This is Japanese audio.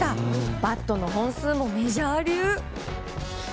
バットの本数もメジャー流！